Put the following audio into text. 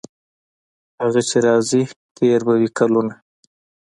هغه چې راځي تیر به وي کلونه.